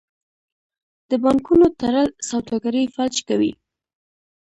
د بانکونو تړل سوداګري فلج کوي.